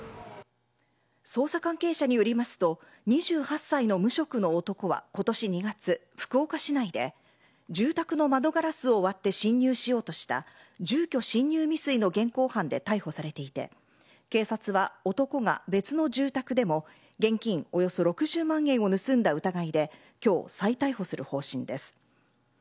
捜査関係者によりますと、２８歳の無職の男は、ことし２月、福岡市内で、住宅の窓ガラスを割って侵入しようとした、住居侵入未遂の現行犯で逮捕されていて、警察は、男が別の住宅でも、現金およそ６０万円を盗んだ疑いできょう、再逮捕する方針です。